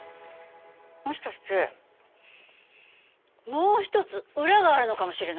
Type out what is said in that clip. もしかしてもう一つ裏があるのかもしれない。